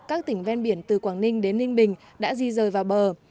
các tỉnh ven biển từ quảng ninh đến ninh bình đã di rời vào bờ